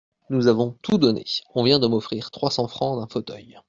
Nous avons tout donné, on vient de m'offrir trois cents francs d'un fauteuil.